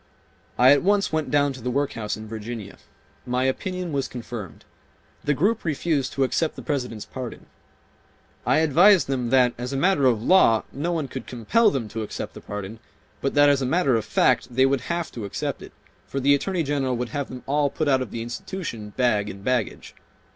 I at once went down to the workhouse in Virginia. My opinion was confirmed. The group refused to accept the President's pardon. I advised them that as a matter of law no one could compel them to accept the pardon, but that as a matter of fact they would have to accept it, for the Attorney General would have them all put out of the institution bag and baggage.